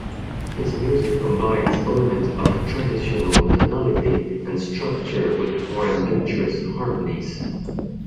His music combines elements of traditional tonality and structure with more adventurous harmonies.